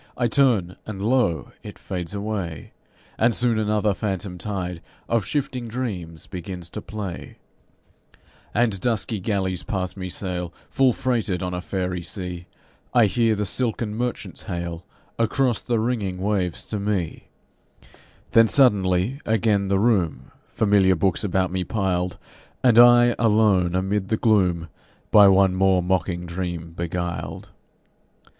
I turn, and lo! it fades away, And soon another phantom tide Of shifting dreams begins to play, And dusky galleys past me sail, Full freighted on a faerie sea; I hear the silken merchants hail Across the ringing waves to me Then suddenly, again, the room, Familiar books about me piled, And I alone amid the gloom, By one more mocking dream beguiled.